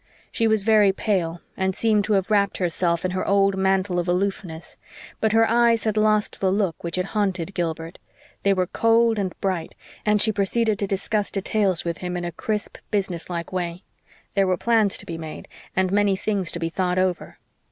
She was very pale and seemed to have wrapped herself in her old mantle of aloofness. But her eyes had lost the look which had haunted Gilbert; they were cold and bright; and she proceeded to discuss details with him in a crisp, business like way. There were plans to be made and many things to be thought over.